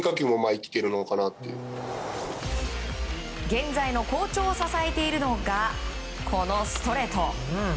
現在の好調を支えているのがこのストレート。